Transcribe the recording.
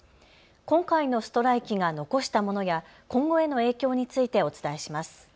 今回のストライキが残したものや今後への影響についてお伝えします。